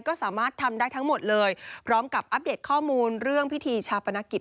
ก็สามารถทำได้ทั้งหมดเลยพร้อมกับอัปเดตข้อมูลเรื่องพิธีชาปนกิจ